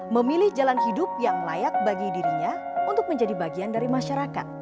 memilih jalan hidup yang layak bagi dirinya untuk menjadi bagian dari masyarakat